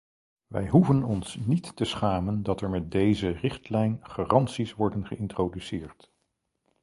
Wij hoeven ons niet te schamen dat er met deze richtlijn garanties worden geïntroduceerd.